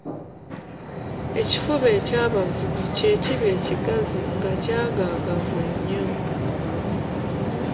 Ekifuba ekyabavubi kye kiba ekigazi nga kyagaagavu nnyo.